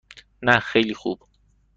نه خیلی خوب.